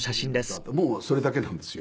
ってもうそれだけなんですよ。